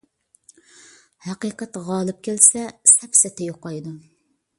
ھەقىقەت غالىب كەلسە سەپسەتە يوقايدۇ.